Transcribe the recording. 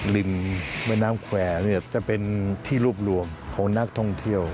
ริมแม่น้ำแควร์เนี่ยจะเป็นที่รวบรวมของนักท่องเที่ยว